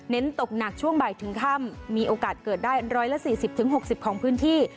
ตกหนักช่วงบ่ายถึงค่ำมีโอกาสเกิดได้๑๔๐๖๐ของพื้นที่